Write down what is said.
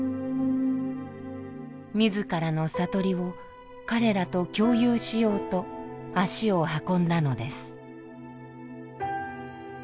自らの悟りを彼らと共有しようと足を運んだのです。